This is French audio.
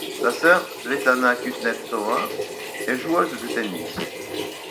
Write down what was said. Sa sœur, Svetlana Kuznetsova est joueuse de tennis.